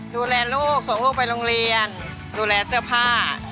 ดูแลลูกส่งลูกไปโรงเรียนดูแลเสื้อผ้า